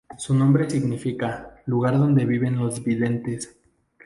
Su nombre significa "lugar donde viven los videntes".